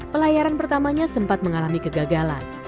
pelayaran pertamanya sempat mengalami kegagalan